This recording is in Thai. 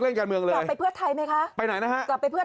กลับไปเพื่อไทยไหมคะไปไหนนะฮะ